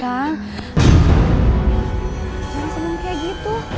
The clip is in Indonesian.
jangan semang kayak gitu